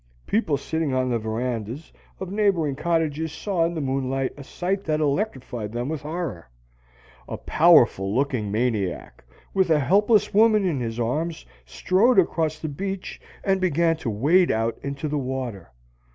People sitting on the verandas of neighboring cottages saw in he moonlight a sight that electrified them with horror. A powerful looking maniac, with a helpless woman in his arms, strode across the beach and began to wade out into the water.